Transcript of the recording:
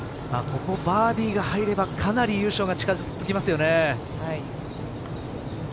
ここ、バーディーが入ればかなり優勝が近づきますよね。